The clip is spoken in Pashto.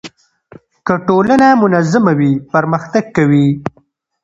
که ټولنه منظمه وي پرمختګ کوي.